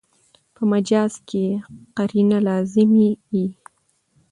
په مجاز کښي قرینه لازمي يي.